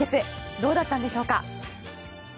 どうだったんでしょうか。